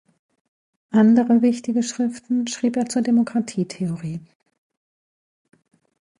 Andere wichtige Schriften schrieb er zur Demokratietheorie.